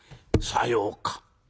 「さようか。